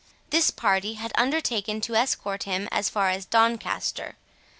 This party had undertaken to escort him as far as Doncaster.